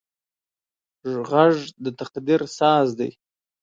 غږ د تقدیر ساز دی